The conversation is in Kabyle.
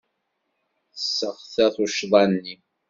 Tesseɣta tuccḍa-nni.